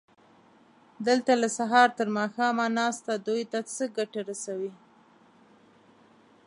دلته له سهاره تر ماښامه ناسته دوی ته څه ګټه رسوي؟